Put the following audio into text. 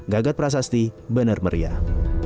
gagat prasasti benar meriah